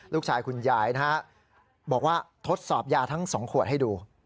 ลูกชายคุณยายบอกว่าทดสอบยาทั้ง๒ขวดให้ดู